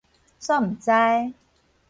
煞毋知